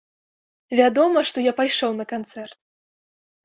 Вядома, што я пайшоў на канцэрт!